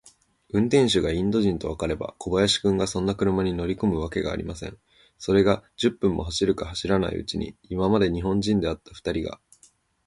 運転手がインド人とわかれば、小林君がそんな車に乗りこむわけがありません。それが、十分も走るか走らないうちに、今まで日本人であったふたりが、